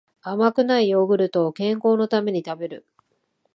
甘くないヨーグルトを健康のために食べる